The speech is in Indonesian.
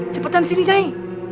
cepetan sini nyai